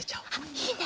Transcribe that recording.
いいね！